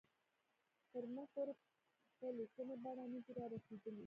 تر موږ پورې په لیکلې بڼه نه دي را رسېدلي.